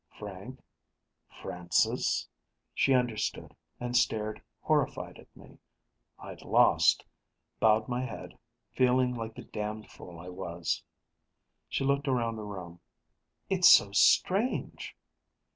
"Frank ... Francis?" She understood, and stared horrified at me. I'd lost. Bowed my head, feeling like the damned fool I was. She looked around the room. "It's so strange!"